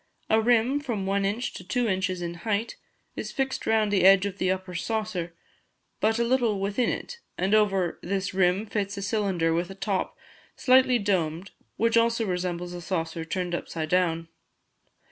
A rim, from 1 in. to 2 in. in height, is fixed round the eage of the upper saucer, but a little within it, and over this rim fits a cylinder with a top, slightly domed, which also resembles a saucer turned upside down.